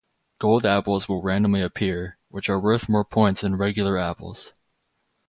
Gold apples will randomly appear, which are worth more points than regular apples.